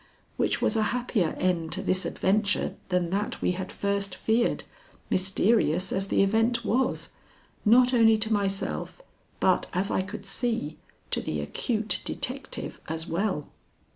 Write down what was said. which was a happier end to this adventure than that we had first feared, mysterious as the event was, not only to myself, but, as I could see, to the acute detective as well.